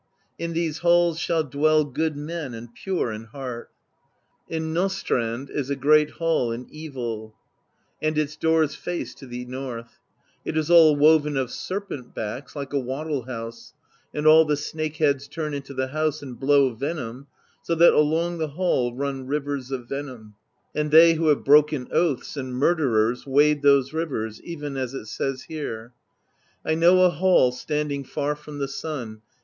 In these halls shall dwell good men and pure in heart. "On Nastrand^ is a great hall and evil, and its doors face to the north: it is all woven of serpent backs like a wattle house; and all the snake heads turn into the house and blow venom, so that along the hall run rivers of venom; and they who have broken oaths, and murderers, wade those rivers, even as it says here: I know a hall standing far from the sun.